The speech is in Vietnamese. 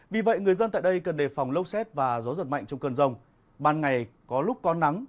vì vậy người dân tại đây cần đề phòng lốc xét và gió giật mạnh trong cơn rông